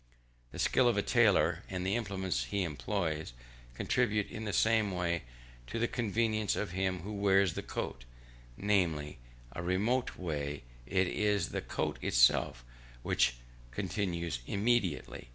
The skill of a tailor, and the implements he employs, contribute in the same way to the convenience of him who wears the coat, namely, a remote way: it is the coat itself which contributes immediately.